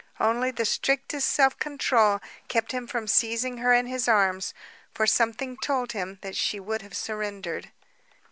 Only the strictest self control kept him from seizing her in his arms, for something told him that she would have surrendered.